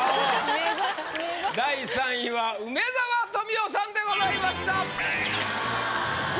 第３位は梅沢富美男さんでございました。